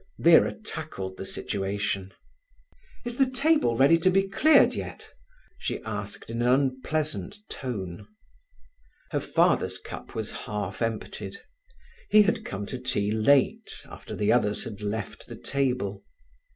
Vera tackled the situation. "Is the table ready to be cleared yet?" she asked in an unpleasant tone. Her father's cup was half emptied. He had come to tea late, after the others had left the table.